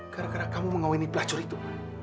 gara gara kamu mengawini pelacur itu